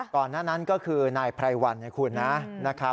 ก่อนหน้านั้นก็คือนายไพรวันนะคุณนะครับ